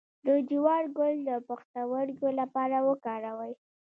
د جوار ګل د پښتورګو لپاره وکاروئ